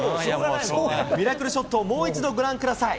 ミラクルショットをもう一度、ご覧ください。